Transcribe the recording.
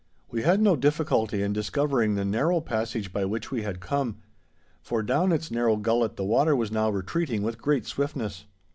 We had no difficulty in discovering the narrow passage by which we had come, for down its narrow gullet the water was now retreating with great swiftness.